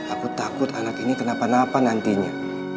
aku takut anak ini kenapa napa nantinya